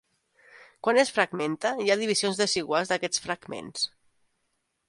Quan es fragmenta, hi ha divisions desiguals d'aquests fragments.